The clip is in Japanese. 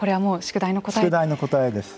宿題の答えです。